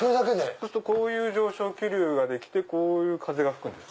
そうするとこういう上昇気流ができてこういう風が吹くんです。